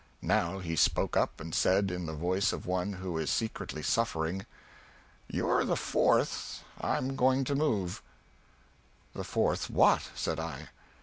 Now he spoke up and said, in the voice of one who is secretly suffering, "You're the fourth I'm going to move." "The fourth what!" said I.